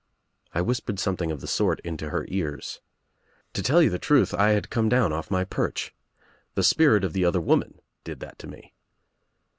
I whispered something of the sort into her ears. To tell you the truth I had come down off my perch. The spirit of the other woman did that to me.